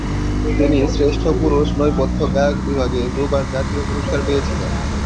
তিনি শ্রেষ্ঠ পুরুষ নেপথ্য গায়ক বিভাগে দু-বার জাতীয় পুরস্কার পেয়েছিলেন।